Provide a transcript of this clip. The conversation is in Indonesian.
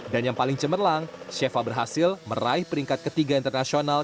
dan yang paling cemerlang sheva berhasil meraih peringkat ketiga internasional